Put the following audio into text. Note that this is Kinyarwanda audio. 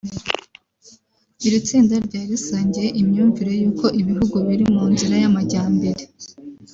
Iri tsinda ryari risangiye imyumvire y’uko ibihugu biri mu nzira y’amajyambere